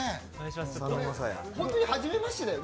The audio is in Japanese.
本当にはじめましてだよね。